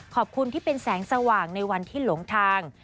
ขอบคุณที่เป็นแสงสว่างในวันที่หลงทาง